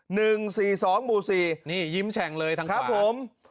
หนึ่งสี่สองหมู่สี่นี่ยิ้มแฉ่งเลยทางครับผม